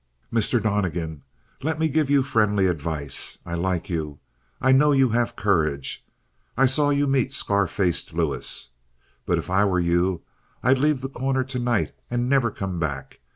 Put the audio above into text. "Mr. Donnegan, let me give you friendly advice. I like you: I know you have courage; and I saw you meet Scar faced Lewis. But if I were you I'd leave The Corner tonight and never come back.